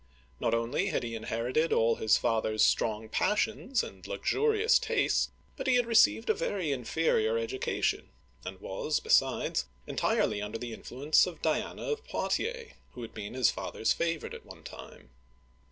Not only had he inherited all his father's strong passions and luxurious tastes, but he had received a very inferior education, and was, besides, entirely under the in fluence of Diana of Poitiers, who had been his father's favorite at one time.